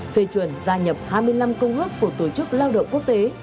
phê chuẩn gia nhập hai mươi năm công ước của tổ chức lao động quốc tế